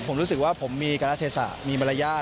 ผมรู้สึกว่าผมมีการละเทศะมีมารยาท